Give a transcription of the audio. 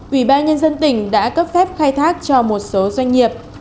ủy ban nhân dân tỉnh đã cấp phép khai thác cho một số doanh nghiệp